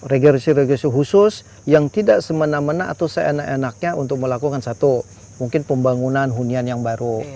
regulasi regulasi khusus yang tidak semena mena atau seenak enaknya untuk melakukan satu mungkin pembangunan hunian yang baru